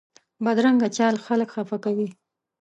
بدرنګه چال خلک خفه کوي